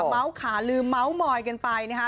มาเมาส์ขาลืมเมาส์หมอยกันไปนะครับ